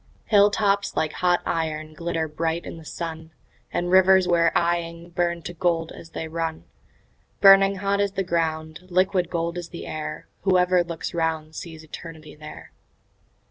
Hill tops like hot iron glitter bright in the sun, And the rivers we're eying burn to gold as they run; Burning hot is the ground, liquid gold is the air; Whoever looks round sees Eternity there.